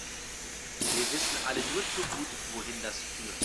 Wir wissen alle nur zu gut, wohin das führt.